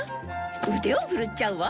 腕を振るっちゃうわ！